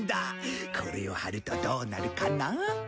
これを貼るとどうなるかな？